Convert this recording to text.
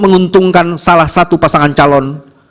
menguntungkan salah satu pasangan calon